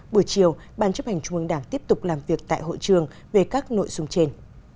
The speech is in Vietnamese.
buổi chiều ban chấp hành trung ương đảng tiếp tục làm việc tại hội trường về các nội dung trên